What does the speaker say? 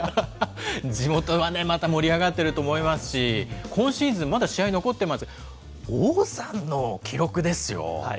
地元はね、また盛り上がっていると思いますし、今シーズン、まだ試合残ってますし、王さんの記録ですよ。